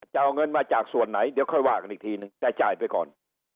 จะเอาเงินมาจากส่วนไหนเดี๋ยวค่อยว่ากันอีกทีนึงแต่จ่ายไปก่อน